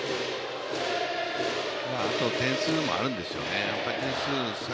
あと点数もあるんでしょうね。